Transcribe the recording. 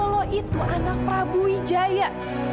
kalau lo itu anak prabu wijaya